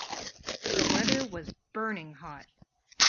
The weather was burning hot.